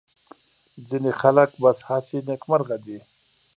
ځینې خلک بس هسې نېکمرغه دي.